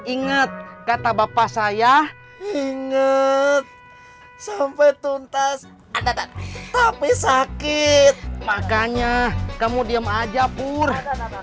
inget kata bapak saya inget sampai tuntas ada tapi sakit makanya kamu diem aja pura